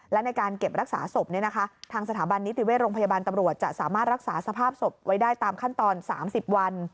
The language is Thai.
และในการเก็บรักษาศพทางสถาบันนิติเวชโรงพยาบาลตำรวจจะสามารถรักษาสภาพศพไว้ได้ตามขั้นตอน๓๐วัน